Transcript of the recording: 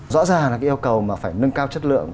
rõ ràng là cái yêu cầu mà phải nâng cao chất lượng